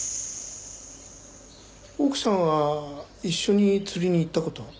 奥さんは一緒に釣りに行った事は？